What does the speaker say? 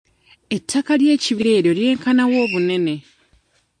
Ettaka ly'ekibira eryo lyenkana wa obunene?